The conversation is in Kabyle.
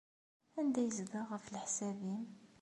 Anda ay yezdeɣ, ɣef leḥsab-nnem?